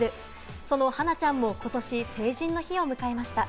その、はなちゃんも、ことし成人の日を迎えました。